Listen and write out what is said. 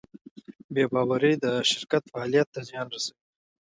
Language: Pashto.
بېباورۍ د شرکت فعالیت ته زیان رسوي.